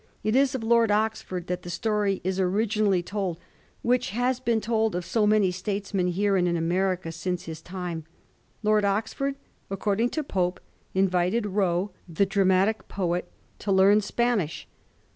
It is of Lord Oxford that the story is originally told which has been told of so many statesmen here and in America shice his time. Lord Oxford, according to Pope, invited Rowe, the dramatic poet, to learn Spanish.